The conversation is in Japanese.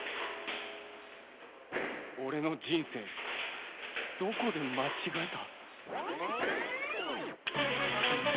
俺の人生どこで間違えた？